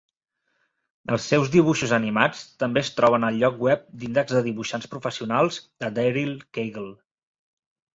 Els seus dibuixos animats també es troben al lloc web d'índex de dibuixants professionals de Daryl Cagle.